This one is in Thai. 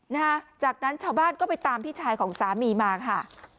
นะฮะจากนั้นชาวบ้านก็ไปตามพี่ชายของสามีมาค่ะ